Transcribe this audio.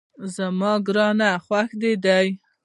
زما ګرمی خوښه ده